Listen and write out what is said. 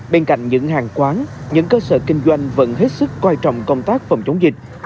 bên cạnh những hàng quán những cơ sở kinh doanh vẫn hết sức quan trọng công tác phòng chống dịch